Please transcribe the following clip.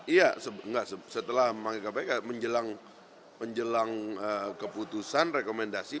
iya enggak setelah panggil kpk menjelang keputusan rekomendasi